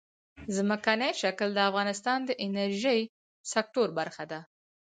ځمکنی شکل د افغانستان د انرژۍ سکتور برخه ده.